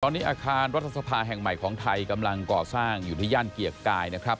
ตอนนี้อาคารรัฐสภาแห่งใหม่ของไทยกำลังก่อสร้างอยู่ที่ย่านเกียรติกายนะครับ